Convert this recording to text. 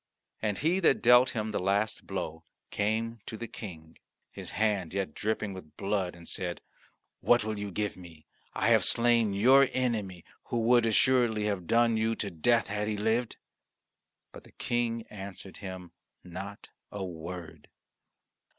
And he that dealt him the last blow came to the King, his hand yet dripping with blood, and said, "What will you give me? I have slain your enemy, who would assuredly have done you to death had he lived." But the King answered him not a word.